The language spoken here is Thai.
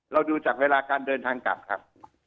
ดูจากเวลาการเดินทางกลับครับ